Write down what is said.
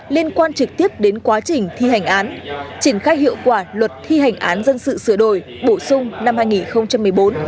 liên quan trực tiếp đến quá trình thi hành án triển khai hiệu quả luật thi hành án dân sự sửa đổi bổ sung năm hai nghìn một mươi bốn